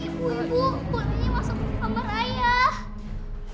ibu ibu buat ini masuk ke kamar ayah